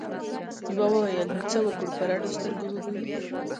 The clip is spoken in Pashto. یوه وویل نو څه وکړو په رډو سترګو وګورو؟